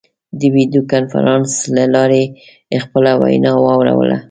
د ویډیو کنفرانس له لارې خپله وینا واوروله.